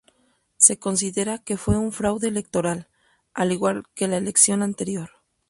Se considera que fue un fraude electoral, al igual que la elección anterior.